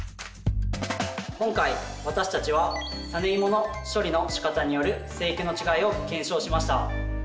今回私たちはタネイモの処理の仕方による生育の違いを検証しました。